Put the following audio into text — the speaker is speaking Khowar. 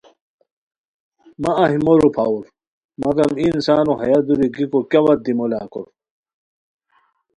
مہ اہی مو روپھاؤر مگم ای انسانو ہیہ دوری گیکو کیاوت دی مولاکور